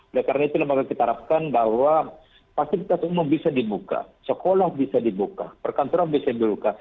oleh karena itu lembaga kita harapkan bahwa fasilitas umum bisa dibuka sekolah bisa dibuka perkantoran bisa dibuka